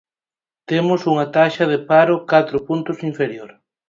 Temos unha taxa de paro catro puntos inferior.